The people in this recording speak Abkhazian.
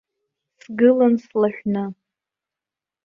Сгылан слаҳәны.